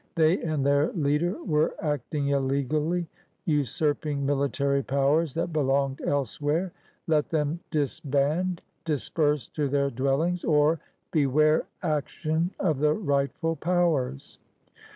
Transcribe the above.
They and their leader were actmg illegally, usurp ing military powers that belonged elsewhere! Let them disband, disperse to their dwellings, or beware action of the rightful powers!